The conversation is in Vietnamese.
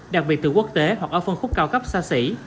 đặc biệt từ quốc tế hoặc ở phân khúc cao cấp xa xỉ